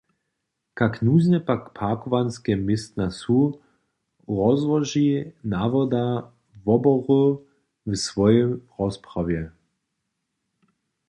Kak nuzne pak parkowanske městna su, rozłoži nawoda wobory w swojej rozprawje.